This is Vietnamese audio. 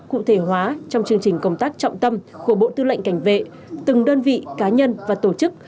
cụ thể hóa trong chương trình công tác trọng tâm của bộ tư lệnh cảnh vệ từng đơn vị cá nhân và tổ chức